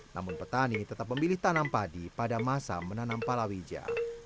namun petani tetap memilih tanam padi pada masa menanam palawija